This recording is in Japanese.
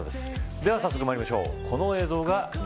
では、早速参りましょう。